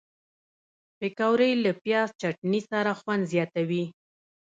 پکورې له پیاز چټني سره خوند زیاتوي